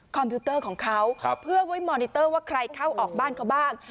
พิวเตอร์ของเขาเพื่อไว้มอนิเตอร์ว่าใครเข้าออกบ้านเขาบ้าง